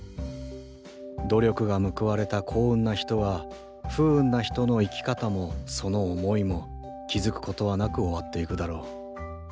努力が報われた幸運な人は不運な人の生き方もその思いも気付くことはなく終わっていくだろう。